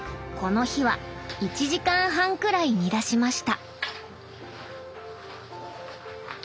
この日は１時間半くらい煮出しました。